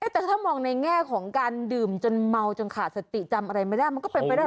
แต่ถ้ามองในแง่ของการดื่มจนเมาจนขาดสติจำอะไรไม่ได้มันก็เป็นไปได้